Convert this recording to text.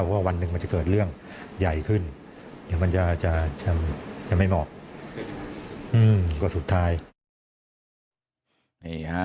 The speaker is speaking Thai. ว่าวันหนึ่งมันจะเกิดเรื่องใหญ่ขึ้นเดี๋ยวมันจะไม่เหมาะก็สุดท้าย